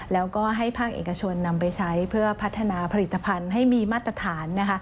แล้วก็ให้ภาคเอกชนนำไปใช้เพื่อพัฒนาผลิตภัณฑ์ให้มีมาตรฐานนะคะ